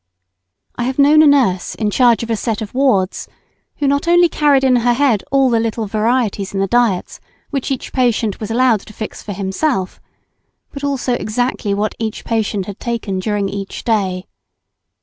I have known a nurse in charge of a set of wards, who not only carried in her head all the little varieties in the diets which each patient was allowed to fix for himself, but also exactly what each patient had taken during each day.